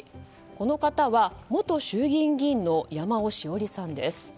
この方は元衆議院議員の山尾志桜里さんです。